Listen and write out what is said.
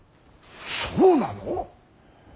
そうなの！？